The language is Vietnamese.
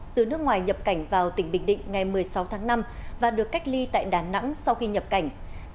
từ nước ngoài nhập cảnh vào tỉnh bình định ngày một mươi sáu tháng năm và được cách ly tại đà nẵng sau khi nhập cảnh